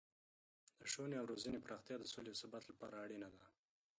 د ښوونې او روزنې پراختیا د سولې او ثبات لپاره اړینه ده.